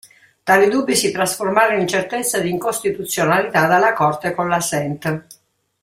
Tali dubbi si trasformarono in certezza di incostituzionalità dalla Corte con la sent.